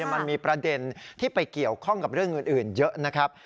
มันมีประเด็นที่ไปเกี่ยวข้องกับเรื่องอื่นเยอะนะครับ